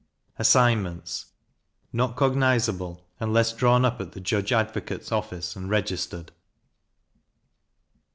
Assignments not cognizable, unless drawn up at the judge advocate's office and registered.